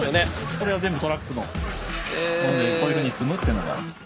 これは全部トラックのものでこういうふうに積むというのが。